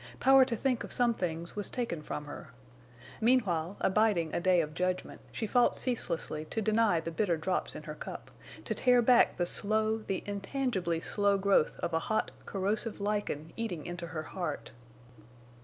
Power to think of some things was taken from her. Meanwhile, abiding a day of judgment, she fought ceaselessly to deny the bitter drops in her cup, to tear back the slow, the intangibly slow growth of a hot, corrosive lichen eating into her heart.